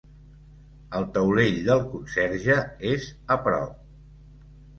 El taulell del conserge és a prop.